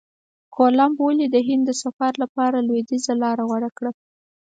کولمب ولي د هند د سفر لپاره لویدیځه لاره غوره کړه؟